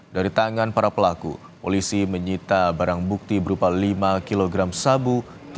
dari tangan para pelaku polisi menyita barang bukti berupa lima kg sabu